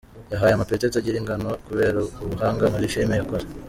Yahawe amapeti atagira ingano kubera ubuhanga muri filime yakoze.